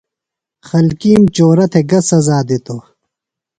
خلکِیم چورہ تھےۡ گہ سزا دِتوۡ؟